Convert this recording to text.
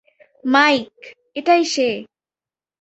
Mic, এটাই সে।